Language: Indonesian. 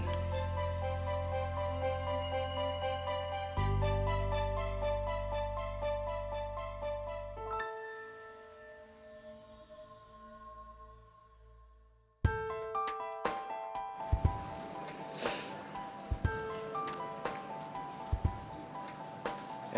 nggak ada apa apa